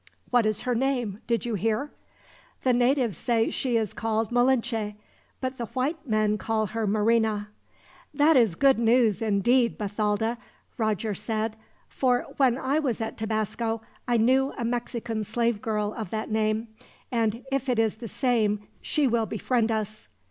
"What is her name did you hear?" "The natives say she is called Malinche, but the white men call her Marina." "That is good news, indeed, Bathalda," Roger said; "for when I was at Tabasco, I knew a Mexican slave girl of that name, and if it is the same she will befriend us."